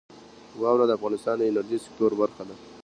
واوره د افغانستان د انرژۍ سکتور برخه ده.